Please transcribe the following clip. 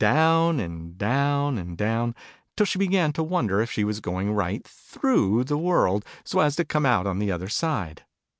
Down, and down, and down, till she began to wonder if she was going right through the World, so as to come out on the other side